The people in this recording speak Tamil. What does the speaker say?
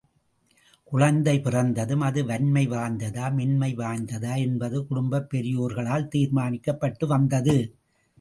குழந்தை பிறந்ததும், அது வன்மை வாய்ந்ததா, மென்மை வாய்ந்ததா என்பது குடும்பப் பெரியோர்களால் தீர்மானிக்கப்பட்டுவந்தது.